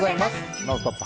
「ノンストップ！」